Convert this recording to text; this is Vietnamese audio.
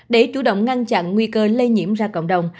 để chủ động ngăn chặn nguy cơ lây nhiễm ra cộng đồng